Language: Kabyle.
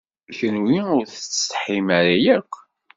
Kenwi ur tettsetḥim ara akk?